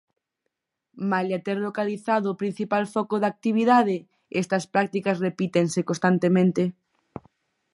Malia ter localizado o principal foco da actividade, estas prácticas repítense constantemente.